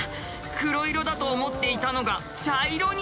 黒色だと思っていたのが茶色に！